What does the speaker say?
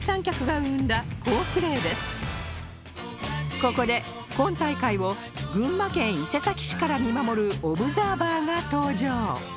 ここで今大会を群馬県伊勢崎市から見守るオブザーバーが登場